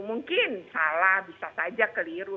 mungkin salah bisa saja keliru